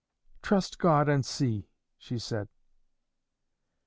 "Trust God and see," she said.